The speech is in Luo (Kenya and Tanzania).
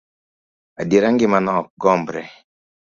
Adiera ngima no ok gombre.